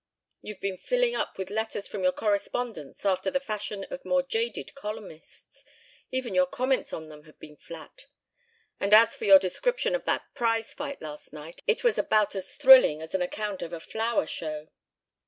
"You've been filling up with letters from your correspondents after the fashion of more jaded columnists. Even your comments on them have been flat. And as for your description of that prize fight last night, it was about as thrilling as an account of a flower show."